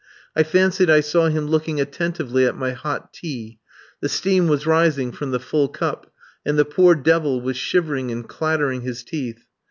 I fancied I saw him looking attentively at my hot tea; the steam was rising from the full cup, and the poor devil was shivering and clattering his teeth.